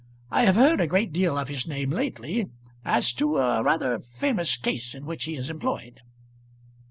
I have heard a great deal of his name lately as to a rather famous case in which he is employed."